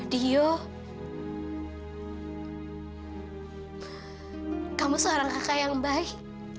dio kamu seorang kakak yang baik